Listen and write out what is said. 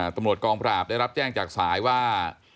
ตำรวจกองปราบได้รับแจ้งจากสายว่า